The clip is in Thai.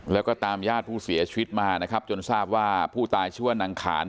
แล้วก็ตามญาติผู้เสียชีวิตมานะครับจนทราบว่าผู้ตายชื่อว่านางขาน